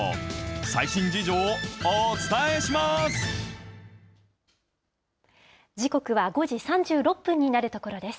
最新事情をお伝えします。